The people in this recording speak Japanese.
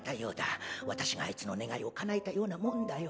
私があいつの願いをかなえたようなもんだよ。